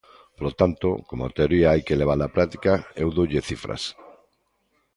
Polo tanto, como a teoría hai que levala á práctica, eu doulle cifras.